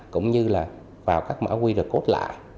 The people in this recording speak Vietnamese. cũng như là vào các mạng qr code lạ